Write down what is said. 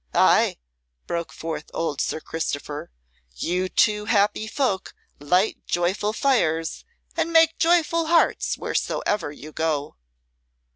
"Ay," broke forth old Sir Christopher, "you two happy folk light joyful fires, and make joyful hearts wheresoever you go."